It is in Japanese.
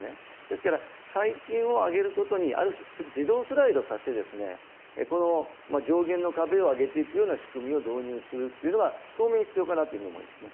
ですから最賃を上げることにある種、自動スライドさせて上限の壁を上げていくような仕組みを導入するのが必要かなと思いますね。